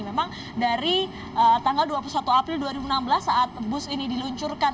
memang dari tanggal dua puluh satu april dua ribu enam belas saat bus ini diluncurkan